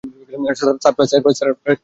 Surprise, surprise!